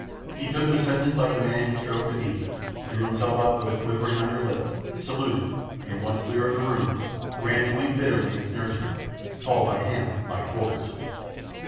He took the sentence like the man he strove to be, drew himself up with a quivering under lip, saluted, and, once clear of the room, ran to weep bitterly in his nursery called by him "my quarters."